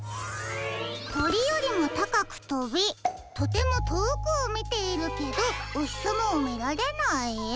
「とりよりもたかくとびとてもとおくをみているけどおひさまをみられない」？